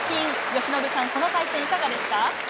由伸さん、この対戦いかがですか。